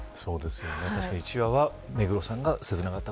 確かに１話は目黒さんが切なかった。